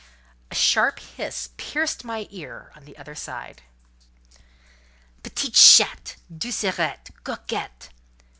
a sharp hiss pierced my ear on the other side. "Petite chatte, doucerette, coquette!"